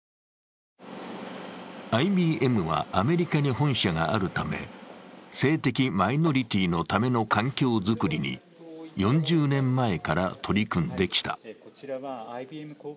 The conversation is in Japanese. ＩＢＭはアメリカに本社があるため性的マイノリティーのための環境づくりに４０年前から取り組んできた。